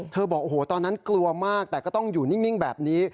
บอกโอ้โหตอนนั้นกลัวมากแต่ก็ต้องอยู่นิ่งแบบนี้